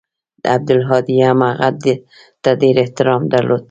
عبدالهادي هم هغه ته ډېر احترام درلود.